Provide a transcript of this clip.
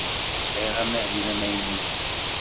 Sɛiɣ amahil amaynut.